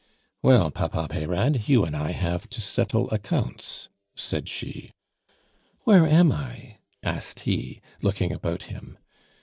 "Well, Papa Peyrade, you and I have to settle accounts," said she. "Where am I?" asked he, looking about him.